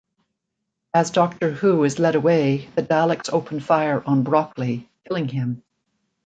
As Doctor Who is led away the Daleks open fire on Brockley, killing him.